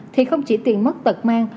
thì không chỉ tiền mất tật mang